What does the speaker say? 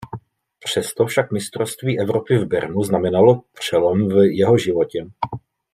Přesto však mistrovství Evropy v Bernu znamenalo přelom v jeho životě.